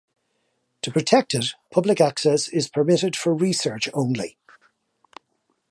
To protect it, public access is permitted for research only.